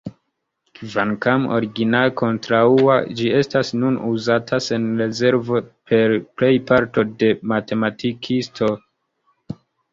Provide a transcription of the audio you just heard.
Kvankam originale kontraŭa, ĝi estas nun uzata sen rezervo per plejparto de matematikistoj.